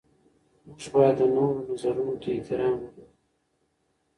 موږ باید د نورو نظرونو ته احترام ولرو.